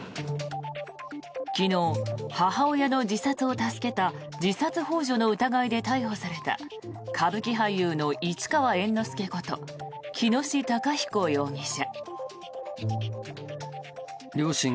昨日、母親の自殺を助けた自殺ほう助の疑いで逮捕された歌舞伎俳優の市川猿之助こと喜熨斗孝彦容疑者。